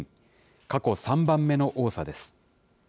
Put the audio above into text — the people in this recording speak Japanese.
過去３番目の多さです。